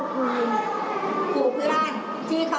เขาคิดว่าครูเบิร์ตว่า